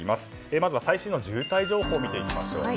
まずは最新の渋滞情報を見てみましょう。